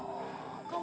kamu di mana